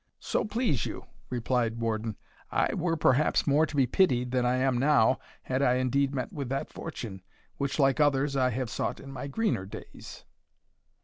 "So please you," replied Warden, "I were perhaps more to be pitied than I am now, had I indeed met with that fortune, which, like others, I have sought in my greener days."